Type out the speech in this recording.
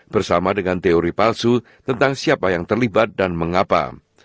bersama dengan teori palsu tentang siapa yang terlibat dan mengapa